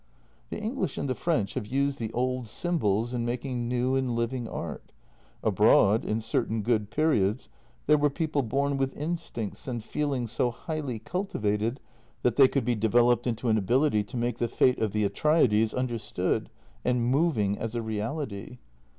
" The English and the French have used the old symbols in making new and living art. Abroad, in certain good periods, there were people born with instincts and feelings so highly cultivated that they could be developed into an ability to make the fate of the Atrides understood and moving as a reality.